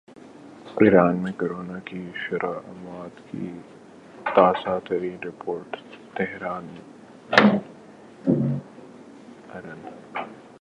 ایران میں کرونا کی شرح اموات کی تازہ ترین رپورٹ تہران ارن